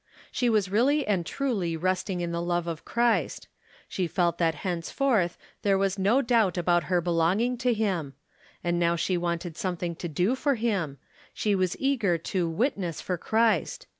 She was really and truly resting in the love of Christ; she felt that henceforth there was no doubt about her belonging to him ; and now she wanted something to do for him — she was eager to " witness " for Christ.